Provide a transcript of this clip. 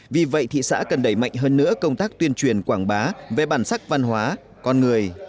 vì vậy thị xã cần đẩy mạnh hơn nữa công tác tuyên truyền quảng bá về bản sắc văn hóa con người